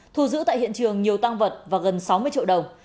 thu giữ tại hiện trường nhiều tăng vật và gần sáu mươi triệu đồng